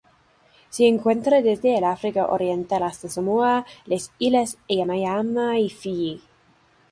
Se encuentra desde el África Oriental hasta Samoa, las Islas Yaeyama y Fiyi.